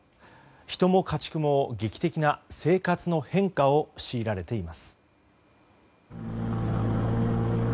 人も家畜も劇的な生活の変化をしいられています。